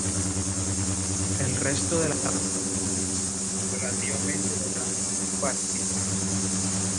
El resto de la planta carece relativamente de rasgos particulares.